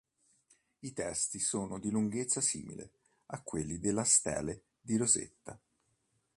I testi sono di lunghezza simile a quelli della Stele di Rosetta.